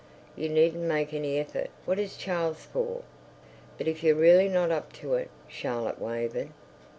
"You needn't make any effort. What is Charles for?" "But if you're really not up to it," Charlotte wavered.